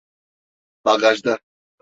Bagajda.